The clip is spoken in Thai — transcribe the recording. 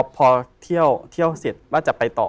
พอเที่ยวเสร็จว่าจะไปต่อ